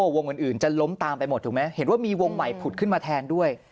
วงอื่นจะล้มตามไปหมดถูกไหมเห็นว่ามีวงใหม่ผุดขึ้นมาแทนด้วย